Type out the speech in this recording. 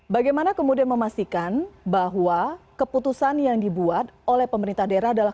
bagaimana kemudian memastikan bahwa keputusan yang dibuat oleh pemerintah daerah adalah